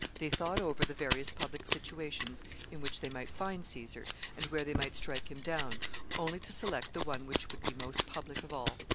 They thought over the various public situations in which they might find Caesar, and where they might strike him down, only to select the one which would be most public of all.